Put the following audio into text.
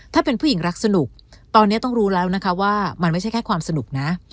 ถ้าเป็นผู้หญิงรักสนุกตอนนี้ต้องรู้แล้วนะคะว่ามันไม่ใช่แค่ความสนุกนะ